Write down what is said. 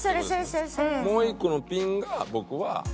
もう１個のピンが僕は。